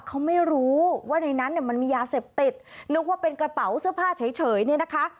เขาไม่รู้ว่าในนั้นเนี่ยมันมียาเสพติดนึกว่าเป็นกระเป๋าเสื้อผ้าเฉยเนี่ยนะคะ